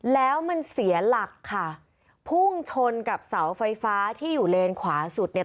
แล้วมันเสียหลักค่ะพุ่งชนกับเสาไฟฟ้าที่อยู่เลนขวาสุดเนี่ย